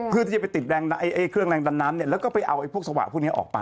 เพื่อที่จะไปติดเครื่องแรงดันน้ำเนี่ยแล้วก็ไปเอาพวกสวะพวกนี้ออกไป